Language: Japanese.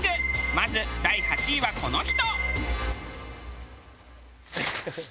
まず第８位はこの人。